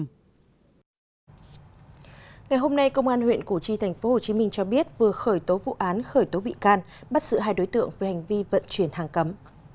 ngày hôm nay công an huyện củ chi tp hcm cho biết vừa khởi tố vụ án khởi tố bị can bắt giữ hai đối tượng về hành vi vận chuyển hàng cấm